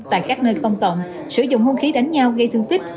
tại các nơi không tộn sử dụng hôn khí đánh nhau gây thương tích